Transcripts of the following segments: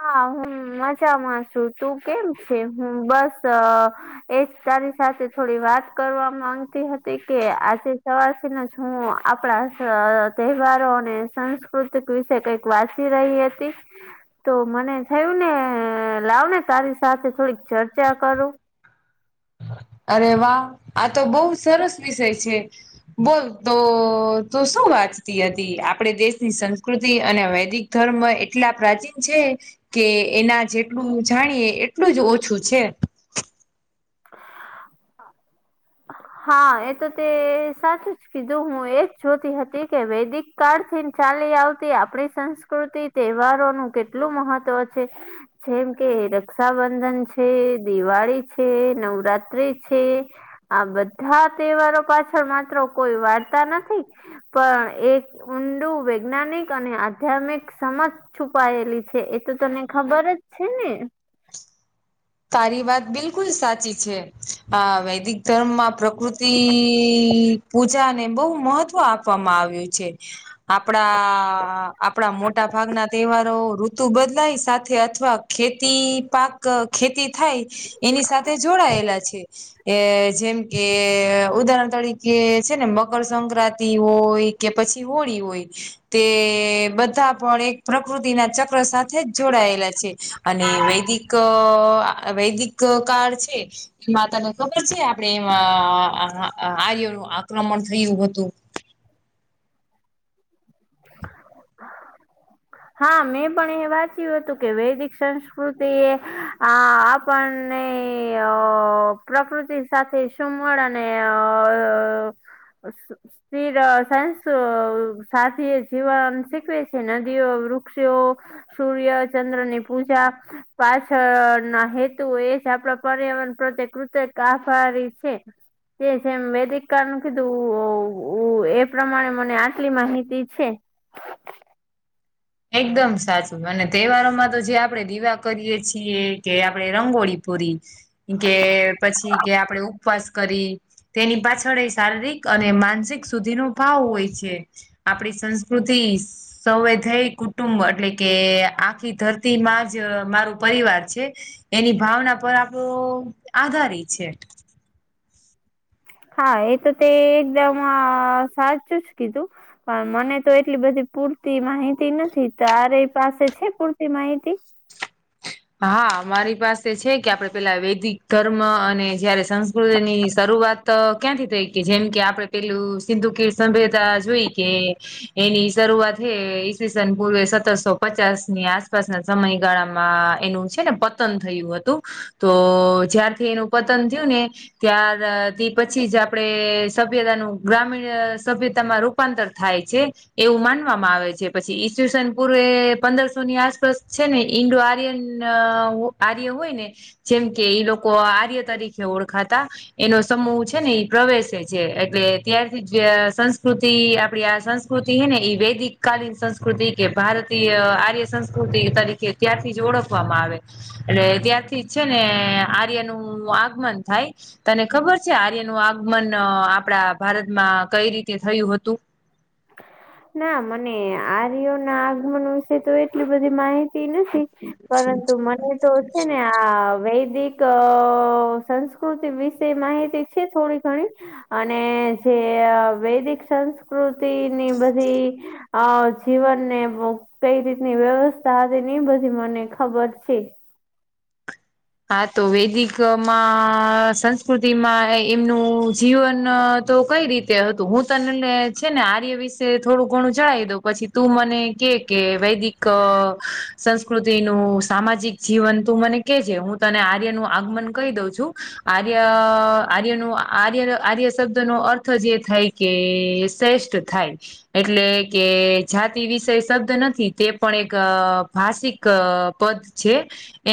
હા, હું મજામાં છું, તું કેમ છે? હું બસ એજ તારી સાથે થોડી વાત કરવા માંગતી હતી કે, આજે સવાર એલે જ હું આપણા તહેવારો અને સાસ્કૃતિક વિશે કંઈક વાંસી રહી હતી. તો મને થયું ને, લાવ ને, તારી સાથે થોડીક ચર્ચા કરું. અરે વાહ આ તો બહુ સરસ વિષય છે. બોલ તો તો શું વાંચતી હતી? આપણે દેશની સંસ્કૃતિ અને વૈદિક ધર્મ એટલા પ્રાચીન છે. કે એના જેટલું જાણીએે એટલું જ ઓછું છે. હા, એ તો તે સાચું જ કીધું. હું એજ જોતી હતી કે વૈદિક કાળ થી ચાલી આવતી, આપણી સંસ્કૃતિ તહેવારોનું કેટલું મહત્વ છે? જેમ કે રક્ષાબંધન છે, દિવાળી છે, નવરાત્રી છે. આ બધા તહેવારો પાછળ માત્ર કોઈ વાર્તા નથી, પણ એક ઊંડું વૈજ્ઞાનિક અને આધ્યાત્મિક સમજ. છુપાયેલી છે, એ તો તને ખબર જ છે ને. તારી વાત બિલકુલ સાચી છે. આ વૈદિક ધર્મમાં પ્રકૃતિ પૂજા ને બહુ મહત્વ આપે. આપ આવ્યું છે, આપણા આપણા મોટા ભાગના તહેવારો તું બદલાઈ સાથે અથવા ખેતી પાક ખેતી થાય, એની સાથે જોડાયેલા છે. એ જેમ કે ઉદાહરણ તરીકે છે ને, મકરસક્રાંતિ હોય. કે પછી હોળી હોય, તે બધા પણ એક પ્રકૃતિના ચક્ર સાથે સાથે જોડાયેલા છે, અને વૈદિક વૈદિક કાળ છે. એ માતાને ખબર છે, આપણે એમાં આર્યનું આક્રમણ થયું હતું. [unintelligible] હા, મેં પણ એ વાંચ્યું હતું કે, વૈદિક સંસ્કૃતિ એ આ પણ પ્રકૃતિ સાથે સુુંમળ અને અ [unintelligible] સ્ર સાયસ સાથે જીવન શીખવે છે, નદીઓ, વૃક્ષો. સૂર્ય-ચંદ્ર ની પૂજા. પાછળ ના હેતુ એ જ આપણા પર્યાવરણ પ્રત્યે કૃત આભારી છે. જેમે દ કારનું કીધું. ઉ એ પ્રમાણે મને આટલી માહિતી છે. એકદમ સાચું, અને તહેવારોમાં તો જે આપણેે દીવા કરીએ છીએ કે, આપણે રંગોળી પૂરી કે પછી કે આપણેે ઉપવાસ કરી. તેની પાછળ શારીરિક અને માનસિક સુધીનો ભાવ હોય છે. આપડી સંસ્કૃતિ સૌ એ થઈ. કુટુંબ એટલે કે આખી ધરતીમાં જ મારું પરિવાર છે. એની ભાવના પર આપણો આધાર છે. હા, એ તો તે એકદમ સાચું જ કીધું. પણ મને તો એટલી બધી પૂરતી માહિતી નથી, તારી પાસે છે પૂરતી માહિતી? હા, મારી પાસે છે કે, આપણે પેલા વૈદિક ધર્મ અને જયારે સંસ્કૃતિની શરૂઆત તો ક્યાંથી થઈ કે જેમ કે આપડે પેલું સિંધુ કીર સંભ્યતા જોઈ કે એની શરૂઆત હે ઈવીસન પૂર્વે સતરસો પચાસ ની આસપાસ ના સમયગાળામાં એનું છે ને પતન થયું હતું તો જ્યારથી એનું પતન થયું ને ત્યાર તી પછી જ આપડે સભ્યતાનું ગ્રામીણ સભ્યતામાં રૂ રૂપાંતર થાય છે. એવું માનવામાં આવે છે પછી ઈસુસન પુરે એ પંદરસો ની આસપાસ છે ને ઈન્ડો આર્યન ન હુ આર્ય હોય ને જેમ કે ઈ લોકો આર્ય તરીકે ઓળખાતા એનો સંમૂહ છે ને એ પ્રવેશે જ છે એટલે ત્યારથી જ સંસ્કૃતિ આપડી આ સંસ્કૃતિ હે ને ઈ વૈદિક કાલીન સંસ્કૃતિ કે ભારતીય આર્ય સંસ્કૃતિ તરીકે ત્યાંથી જ ઓળખવામાં આવે. એટલે ત્યારથી છે ને આર્ય નું આગમન થાય. તને ખબર છે આર્ય નું આગમન આપડા ભારતમાં કઈ રીતે થયું હતું. ના મને આર્યો ના આગમન વિશે તો એટલી બધી માહિ તી નથી પરંતુ મને તો છે છે ને આ વૈદિક સંસ્કૃતિ વિશે માહિતી છે થોડી ઘણી અને જે વૈદિક સંસ્કૃતિની બધી હ જીવન ને બહુ કઈ રીતની વ્યવસ્થા હતી ની બધી મને ખબર છે. હા તો વૈદિકમાં સંસ્કૃતિમાં એમનું જીવન તો કઈ રીત કે હતું હું તનેને છે ને આર્ય વિશે થોડું ઘણું જણાવી દઉં પછી તું મને કે કે વૈદિક ક સંસ્કૃતિ નું સામાજિક જીવન તું મને કે જે હું તને આર્ય નું આગમન કહી દઉં છું આર્ય આર્ય નું આર્ય આર્ય શબ્દનો અર્થ તો જે થાય કે શ્રેષ્ઠ થાય. એટલે કે જાતિ વિષય શબ્દ નથી તે પણ એક ભાષિક ક પદ છે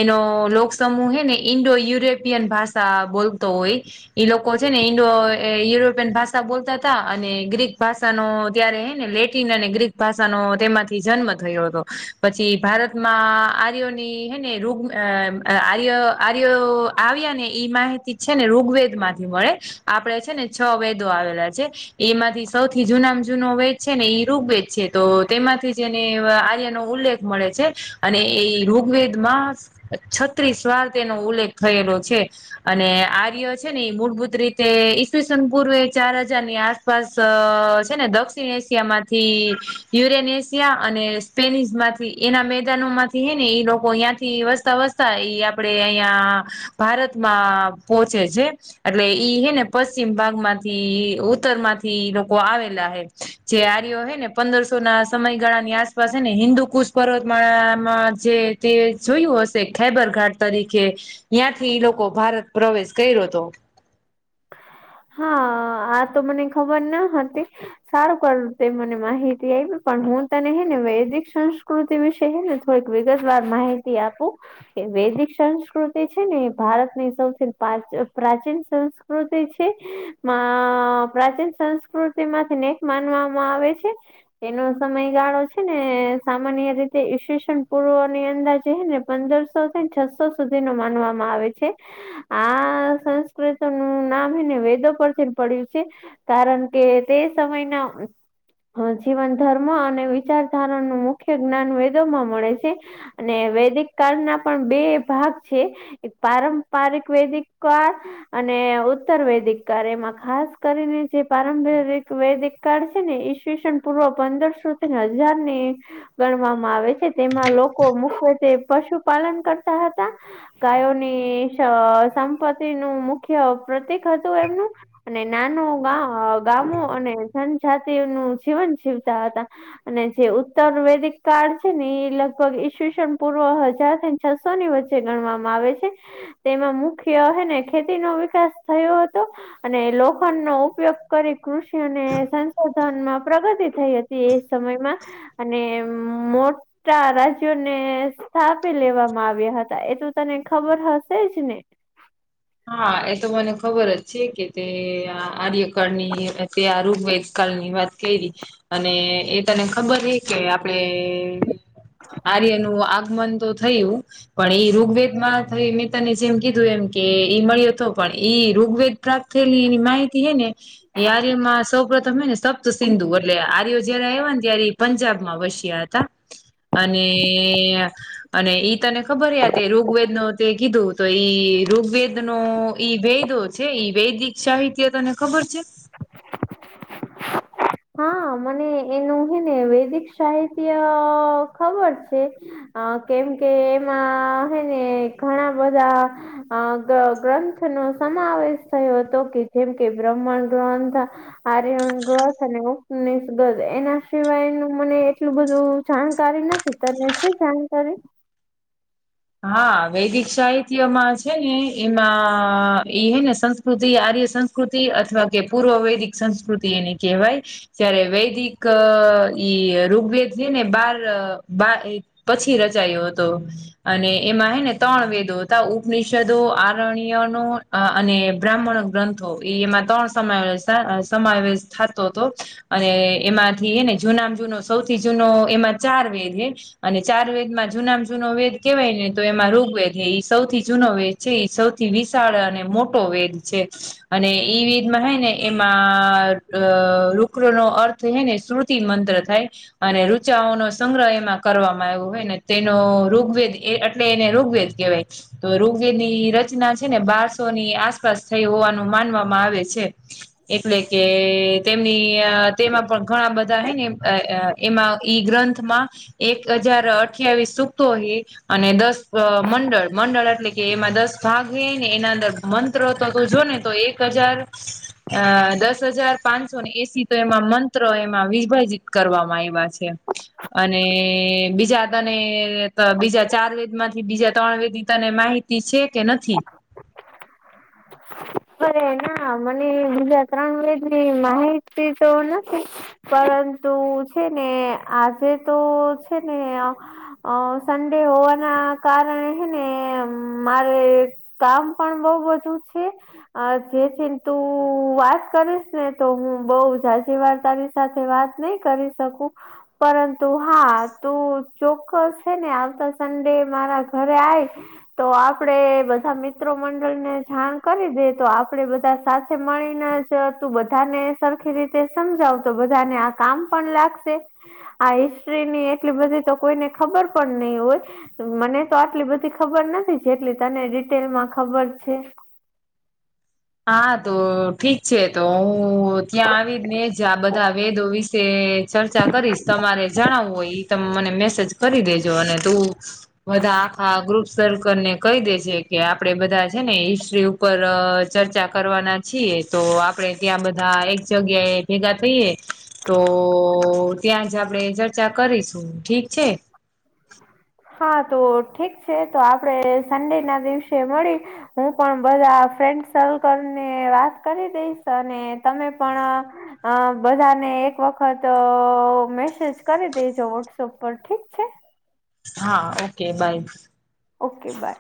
એનો લોક સમૂહ હે ને ઇન્ડો યુરોપિયન ભાષા બોલતો હોય. ઈ લોકો છે ને ઇન્ડો એ યુરોપિયન ભાષા બોલતા તા અને ગ્રીક ભાષ ષાનો ત્યારે હેને લેટિન અને ગ્રીક ભાષાનો તેમાંથી જન્મ થયો હતો. પછી ભારતમાં આર્યોની હે ને રૂગ અ આર્ય આર્યો આવ્યા ને ઈ માહિતી છે ને ઋગ્વેદ માંથી મળે. આપડે છે ને છ વેદો આવેલા છે. એમાંથી સૌથી જૂનામ જૂનો વેદ છે ને ઈ ઋગ્વેદ છે તો તેમાંથી જેને વ આર્યનો ઉલ્લેખ મળે છે અને એ ઋગ્વેદમાં છત્રીસ વાર તેનો ઉલ્લેખ થયેલો છે. અને આર્ય છે ને ઈ મૂળભૂત રીતે ઈસ્વીસન પૂર્વે ચાર હજાર ની આસ પાસ અ છે ને દક્ષિણ એશિયા માંથી યુરેન એશિયા અને સેનિસ માંથી એના મેદાનો માંથી હેને એ લોકો યાં થી વસ્તા વસ સ્તા એ આપડે અહિયાં ભારતમાં પોહચે છે. એટલે ઈ હે ને પશ્ચિમ ભાગ માંથી ઉત્તર માંથી ઈ લોકો આવેલા હે. જે આર્યો હે ને પંદરસો ના સમયગાળા ની આસપાસ હે ને હિન્દુ કુશ પર્વતમાળામાં જે તે જોયું હશ તે ખેબર ઘાટ તરીકે ન્યાંથી ઈ લોકો ભારત પ્રવેશ કયરો તો. હા આ તો મને ખબર ન હતી. સારું કરું તે મને માહિતી આય્પી પણ હું તને હે ને વૈદિક સંસ્કૃતિ વિશે હેને કઈક વિગતવાર માહિતી આપું. વૈદિક સંસ્કૃતિ છે ને ભારત ની સૌથી પ્રાચીન સંસ્કૃતિ છે. પ્રાચીન સંસ્કૃતિ માંથી નેક માનવામાં આવે છે. એનો સમયગાળો છે ને સામાન્ય રીતે ઈેશન પૂર્વ ની અંદર જે છે ને. પંદરસો થી છસો સુધી ન માનવામાં આવે છે. આ સંસ્કૃત નું નામ ને વેદો પરથી પડ્યું છે, કારણ કે તે સમયના હ જીવન ધર્મ અને વિચારધારા નું મુખ્ય જ્ઞાન વેદોમાં મળે છે. અને વૈદિક કળ ના પણ બે ભાગ છે. એક પારંપરિક વૈદિક કળ, અને ઉતર વૈદિક કળ એમાં ખાસ કરીને જે પ્રારંભરિક વૈદિક કળ છે ને ઈ પૂર્વ પંદરસો થી હજાર ને. ગણવામાં આવે છે તેમાં લોકો મુખ્યતે પશુપાલન કરતા હતા. ગાયોની સંપત્તિ નું મુખ્ય પ્રતીક હતું એમનું. અને નાનું ગામો અને જનજાતિ નું જીવન જીવતા હતા. અને જે ઉત્તર વૈદિક ક્ળ છે ને એ લગભગ ઈસવીસન પૂર્વ હજાર છસો ની વચ્ચે ગણવામાં આવે છે, તેમાં મુખ્ય હને ખેતી ન વિકાસ થયો હતો. અને લોખંડ નો ઉપયોગ કરી કૃષિ અને સંશોધનમાં પ્રગતિ થઈ હતી. એ સમયમાં, અને મોટ ા રાજ્યોને સ્થાપી લેવામાં આવ્યા હતા એ તો તને ખબર હશે જ ને. હા એ તો મને ખબર જ છે કે તે આર્યકાળની તે આ રોગવાય કાળની વાત કે, અને એ તને ખબર છે કે આપડે આર્ય નું આગમન તો થયું. પણ એ ઋગ્વેદ માં થ મેં તને જેમ કીધું એમ કે એ મળ્યો હતો પણ ઈ ઋગ્વેદ પ્રાપ્ત થયેલી એની માહિતી હે ને. યારમાં સૌ પ્રથમ હ ને સપ્ત સિંધુ એટલે આર્ય જયારે આવ ને ત્યારે પંજાબ માં વસ્યા હતા, અને અને ઈ તને ખબર તે ઋગ્વેદ ન તે કીધું તો ઈ ઋગ્વેદ નો ઈ વેદો છે ઈ વૈદિક સાહિત્ય તને ખબર છે? [inaudible] હા મને એનું હે ને વૈદિક સાહિત્ય ખબર છે. અ કેમ કે એમાં હ ને ઘણા બધા અ ગ્રંથ નો સમાવેશ થયો હતો કે જેમ કે બ્રહ્મણ ગ્રંથ. આર્યન ગથ અને ઉપસ ગથ એના સિવાયનું મને એટલું બધું જાણકારી નથી તને છે જાણકારી? હા વૈદિક સાહિત્યમાં છે ને એમાં એ હે ને સંસ કૃતિ આર્ય સંસ્કૃતિ અથવા કે પૂર્વ વૈદિક સંસ્કૃતિ એને કહેવાય. જ્યારે વૈદિક ઈ ઋગ્વેેદ છે ને બાર બા એ પછી રચાયો હતો. અને એમાં હે ને ત્રણ વેદો હતા ઉપનિષદો આરણ્યનો આ અને બ્રાહ્મણ ગ્રંથ. તો એમાં ત્રણ સમાવેશા અ સમાવેશ થાતો હતો. અને એમાંથી એને જૂના મ જૂનો સૌથી જૂનો એમાં ચાર વેદ ને. અને ચાર વેદ માં જૂના મ જૂનો વેદ કેવાય ને તો એમાં ઋગ્વેદ ઈ સૌથી જૂનો વેદ છે ઈ સૌથી વિશાળ અને મોટો વેદ છે. અને ઈ વિધમાં હે ને એમાં અ રુક્ર નો અર્થ હે ને સુરતી મંત્ર થાય. અને રુચાઓ નો સંગ્રહ એમાં કરવામાં આવ્યો હોય ને તેનો ઋગ્વેદ એ અટલે એને ઋગ્વેદ કહેવાય તો ઋગ્વેદની રચના છે, ને બારસોની આસ પાસ થઈ હોવાનું માનવામાં આવે છે. એટલે કે તેમની આ તેમાં પણ ઘણા બધા હે ને [unintelligible] એમાં ઈ ગ્રંથમાં એક હજાર અઠયાવીસ સૂક્તો હે અને દસ અ મંડળ મંડળ એટલે કે એમાં દસ ભાગ હે ને એના અંદર મન [unintelligible] જો ને તો એક હજાર અ દસ હજાર પાંચસોને એંસી તો એમાં મંત્ર એમાં વિભાજિત કરવામાં આવ્યા છે. અને બીજા હતા ને ત બીજા ચાર વેદમાંથી બીજા ત્રણ વેદની તને માહિતી છે, કે નથી? અરે ના મને બીજા ત્રણ વેદની માહિતી તો નથી. પરંતુ છે, ને આજે તો છે, ને અ અ સન્ડે હોવાના કારણે હે ને મારે કામ પણ બો બધું છે. અ જેથી તું વાત કરીશ ને તો હું બો [unintelligible] સાથે વાત નહી કરી શકું પરંતુ હા તું ચોક્કસ હે ને આવતા સન્ડે મારા ઘરે આય તો આપડે બધા મિત્રો મંડળને જાણ કરી દે તો આપણેે બધા સાથે મળીને જ તું બધાને સરખી રી તે સમજાવ તો બધાને આ કામ પણ લાગશે. આ હિસ્ટ્રીની એટલી બધી તો કોઈને ખબર પણ ની હોય. મને તો આટલી બધી ખબર નથી છે, જેટલી તને ડિટેલ માં ખબર છે. હા તો ઠીક છે, તો હું ત્યાં આવી ને જ આ બધા વેદો વિશે ચર્ચા કરીશ તમારે જણાવવું હોય ઈ તમે મને મેસેજ કરી દેજો અને તું બધા આ ગ્રુ શરૂ કરને કહી દેજે કે આપડે બધા છે, ને હિસ્ટ્રી ઉપર ચર્ચા કરવાના છીએ તો આપડે ત્યાં બધા એક જગ્યાએ ભેગા થઈએ તો ત્યાં જ આપણેે ચર્ચા કરીશું ઠીક છે. હા તો ઠીક છે, તો આપણેે સન્ડેના દિવસે મળી હું પણ બધા ફ્રેન્ડ સર્કલ ને વાત કરી દઈશ અને તમે પણ અ બધાને એક વખત મેસેજ કરી દેજો વોટ્સપ પર ઠીક છે. હા ઓકે બાય ઓકે બા